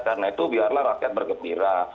karena itu biarlah rakyat bergembira